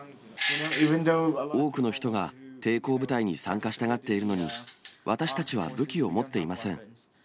多くの人が抵抗部隊に参加したがっているのに、私たちは武器を持っていません。